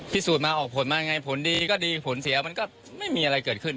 พิสูจน์มาออกผลมายังไงผลดีก็ดีผลเสียมันก็ไม่มีอะไรเกิดขึ้น